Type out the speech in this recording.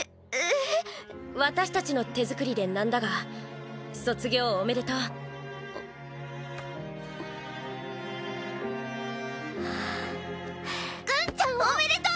私たちの手作りでなんだが卒業おめでとうあっあぁぐんちゃんおめでとう！